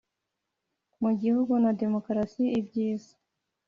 Mu gihugu na demokarasi ibyiza